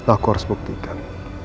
aku harus buktikan